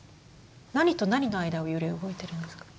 何と何の間を揺れ動いてるんですか？